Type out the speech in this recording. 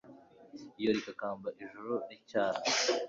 iyo rikakamba ijuru ricyara